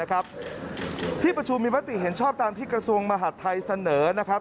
พิพิติประชุมมีมาติเห็นชอบตามที่กระทรวงมหาธัตราฝ์แสนอนะครับ